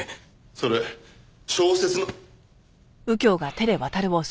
それ小説の。